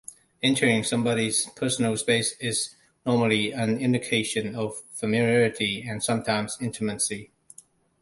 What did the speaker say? Entering somebody's personal space is normally an indication of familiarity and sometimes intimacy.